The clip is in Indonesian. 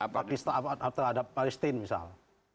pakistan terhadap palestine misal